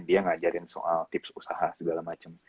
dia ngajarin soal tips usaha segala macam